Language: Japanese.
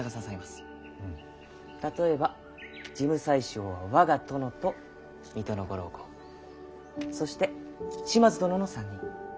例えば事務宰相は我が殿と水戸のご老公そして島津殿の３人。